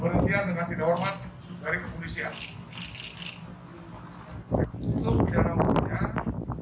berhenti dengan tidak hormat dari kepolisian